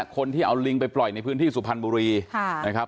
คนที่เอาลิงไปปล่อยในพื้นที่สุพรรณบุรีนะครับ